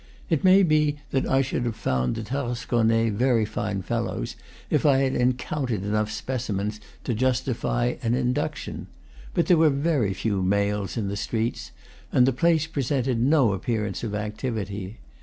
It may be that I should have found the Tarasconnais very fine fellows, if I had en countered enough specimens to justify an induction. But there were very few males in the streets, and the place presented no appearance of activity.